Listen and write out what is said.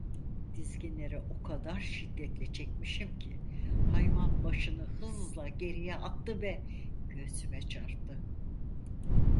Dizginleri o kadar şiddetle çekmişim ki, hayvan başını hızla geriye attı ve göğsüme çarptı.